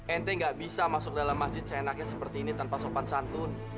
ente gak bisa masuk dalam masjid seenaknya seperti ini tanpa sopan santun